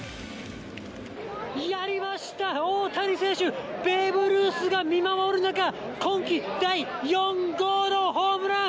やりました、大谷選手、ベーブ・ルースが見守る中、今季第４号のホームラン！